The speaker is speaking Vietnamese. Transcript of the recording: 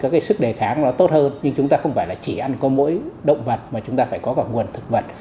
cái sức đề kháng nó tốt hơn nhưng chúng ta không phải là chỉ ăn có mỗi động vật mà chúng ta phải có cả nguồn thực vật